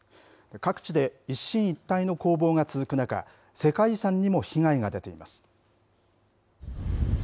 各地で一進一退の攻防が続く中、世界遺産にも被害が出ています。